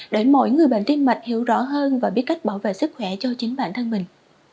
để mỗi người bệnh tim mạch hiểu rõ hơn và biết cách bảo vệ sức khỏe cho chính bản thân mình